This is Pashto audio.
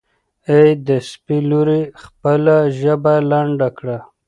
ای د سپي لورې خپله ژبه لنډه کړه.